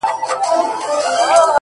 سبا چي راسي د سبــا له دره ولــوېږي;